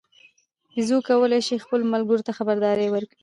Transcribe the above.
بیزو کولای شي خپلو ملګرو ته خبرداری ورکړي.